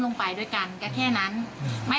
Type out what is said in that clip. หนูก็พูดอย่างงี้หนูก็พูดอย่างงี้